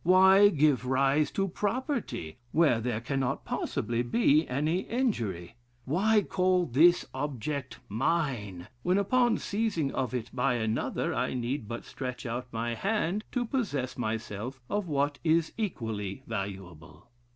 Why give rise to property, where there cannot possibly be any injury? Why call this object mine, when, upon seizing of it by another, I need but stretch out my hand to possess myself of what is equally valuable?